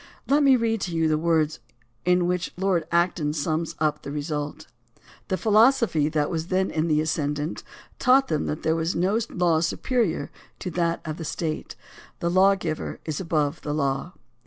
Let me read to you the words in which Lord Acton sums up the result: The philosophy that was then in the ascendant taught them that there is no law superior to that of the State — the lawgiver is above the law.